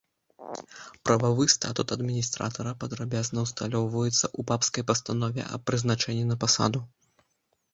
Прававы статут адміністратара падрабязна ўсталёўваецца ў папскай пастанове аб прызначэнні на пасаду.